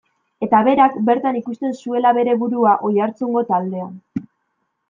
Eta berak, bertan ikusten zuela bere burua, Oiartzungo taldean.